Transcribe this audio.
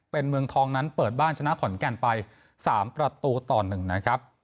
เป็นเมืองทองนั้นเปิดบ้านชนะขอนแก่นไป๓ประตูต่อ๑นะครับ